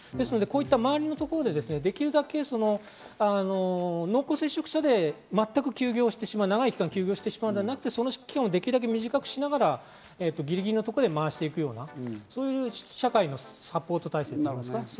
周りのところでできるだけ濃厚接触者で全く休業してしまう、長い期間休業してしまうという期間をできるだけ短くしながら、ギリギリのところで回していくような社会のサポート体制が必要ですね。